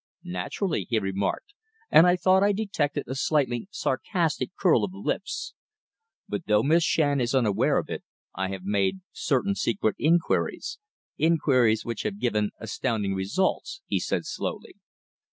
"Naturally," he remarked, and I thought I detected a slightly sarcastic curl of the lips. "But though Miss Shand is unaware of it, I have made certain secret inquiries inquiries which have given astounding results," he said slowly.